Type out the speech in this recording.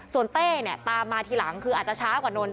ส่วนเต้เนี่ยตามมาทีหลังคืออาจจะช้ากว่านนท